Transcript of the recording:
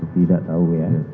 tidak tahu ya